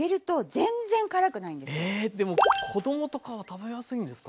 えでも子供とかは食べやすいんですか？